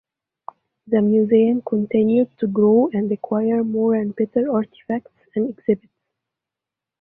The museum continued to grow and acquire more and better artifacts and exhibits.